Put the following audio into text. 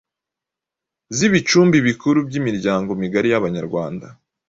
zibicumbi bikuru by’imiryango migari y’Abanyarwanda.